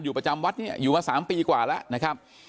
อยู่ประจำวัดนี้อยู่มาสามปีกว่าแล้วนะครับ